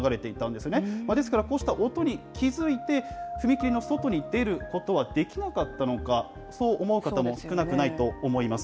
ですから、こうした音に気付いて、踏切の外に出ることはできなかったのか、そう思う方も少なくないと思います。